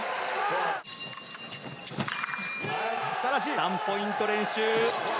３ポイント連取！